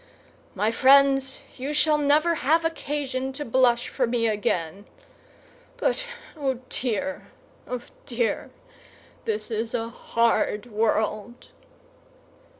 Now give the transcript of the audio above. My friends, you shall never have occasion to blush for me again. But, O dear, O dear, this is a hard world!"